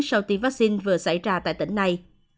sau tiêm vaccine vừa xảy ra tại tỉnh này